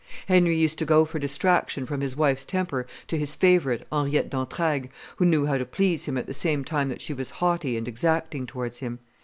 Henry used to go for distraction from his wife's temper to his favorite, Henriette d'Entraigues, who knew how to please him at the same time that she was haughty and exacting towards him.